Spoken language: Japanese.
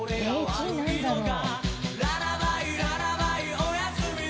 １位なんだろう？